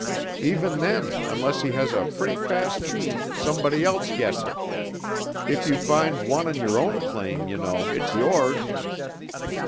Even then, unless he has a pretty fast team somebody else gets it. If you find one on your claim, you know, it's yours."